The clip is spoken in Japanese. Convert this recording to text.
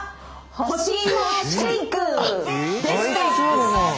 干しいもシェイク！でした！